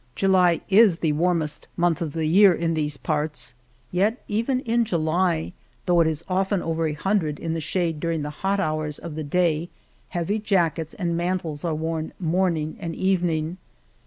July is the warmest month of the year in these parts, yet even in July, though it often is over a hundred in the shade during the hot hours of the day, heavy jackets and mantles are worn morning and evening.